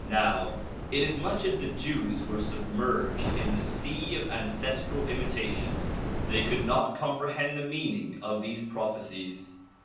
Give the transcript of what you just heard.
Now inasmuch as the Jews were submerged in the sea of ancestral imitations, they could not comprehend the meaning of these prophecies.